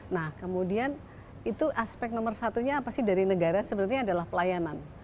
nah kemudian itu aspek nomor satunya apa sih dari negara sebenarnya adalah pelayanan